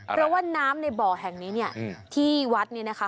เพราะว่าน้ำในบ่อแห่งนี้เนี่ยที่วัดเนี่ยนะคะ